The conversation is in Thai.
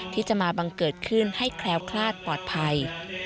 ที่จะมาบังเกิดขึ้นให้แคล้วคลาดปลอดภัย